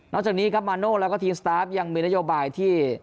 จากนี้ครับมาโน่แล้วก็ทีมสตาร์ฟยังมีนโยบายที่